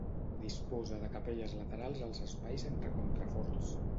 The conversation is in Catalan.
Disposa de capelles laterals als espais entre contraforts.